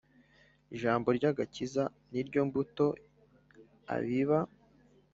Ijambo ry’agakiza niryo mbuto abiba